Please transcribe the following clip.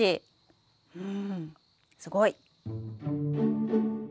うんすごい！